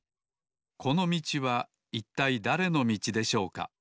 このみちはいったいだれのみちでしょうか？